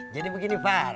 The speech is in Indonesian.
jadi begini far